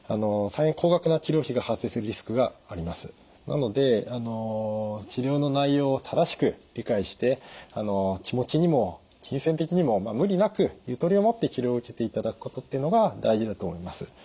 なので治療の内容を正しく理解して気持ちにも金銭的にも無理なくゆとりを持って治療を受けていただくことっていうのが大事だと思います。